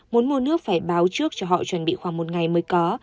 muốn mua nước phải báo trước cho họ chuẩn bị khoảng một ngày mới có